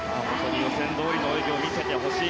予選どおりの泳ぎを見せてほしい。